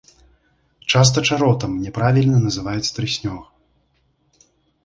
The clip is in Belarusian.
Часта чаротам няправільна называюць трыснёг.